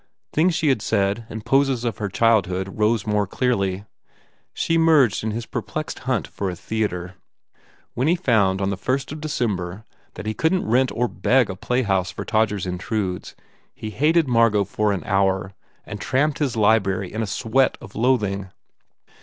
Things she had said and poses of her childhood rose more clearly. She merged in his perplexed hunt for a theatre. When he found, on the first of December, that he couldn t rent or beg a playhouse for "Todgers Intrudes" he hated Margot for an hour and tramped his library in a sweat of loathing.